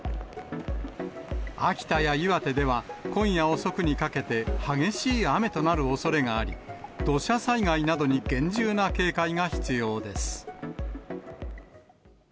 秋田や岩手では、今夜遅くにかけて激しい雨となるおそれがあり、土砂災害などに厳重な警戒が必要です。